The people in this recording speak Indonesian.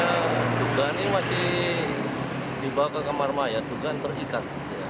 ya juga ini masih dibawa ke kamar mayat juga terikat